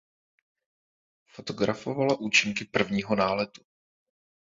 Fotografovala účinky prvního náletu.